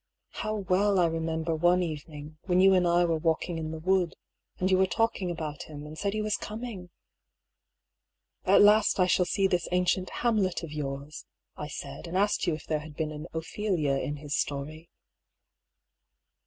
How well I re member one evening, when you and I were walking in the wood, and you were talking about him, and said he was coming I " At last I shall see this ancient ' Hamlet ' of yours," I said, and asked you if there had been an " Ophelia" in his story.